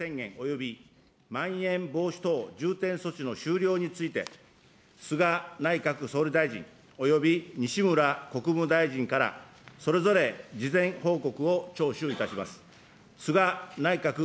まん延防止等重点措置の終了について、菅内閣総理大臣、および西村国務大臣から、それぞれ事前報告を聴取いたします。